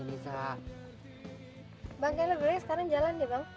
bang kayaknya boleh sekarang jalan ya bang